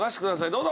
どうぞ！